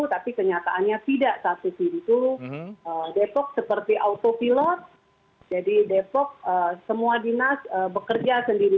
tapi kenyataannya tidak satu pintu depok seperti autopilot jadi depok semua dinas bekerja sendiri